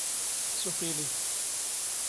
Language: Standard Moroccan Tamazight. ⵙ ⵓⴼⵉⵍⵉⴼ.